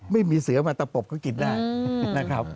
ไม่มีเสือมาตะปบเขากินได้นะครับ